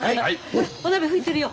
ほらお鍋ふいてるよ。